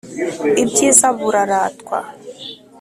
ibyiza buraratwa.